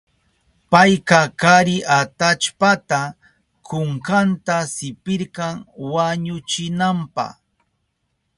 Payka kari atallpata kunkanta sipirka wañuchinanpa.